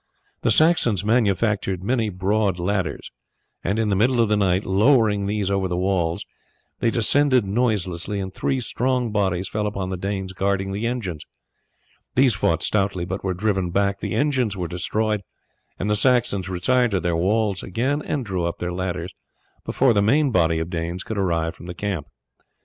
The Saxons manufactured many broad ladders, and in the middle of the night, lowering these over the walls, they descended noiselessly, and three strong bodies fell upon the Danes guarding the engines. These fought stoutly, but were driven back, the engines were destroyed, and the Saxons retired to their walls again and drew up their ladders before the main body of Danes could arrive from the camp.